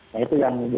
nah itu yang terakhir